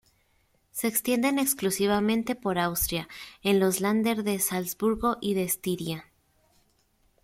Se extienden exclusivamente por Austria, en los "länder" de Salzburgo y de Estiria.